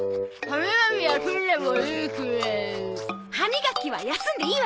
歯磨きは休んでいいわけない！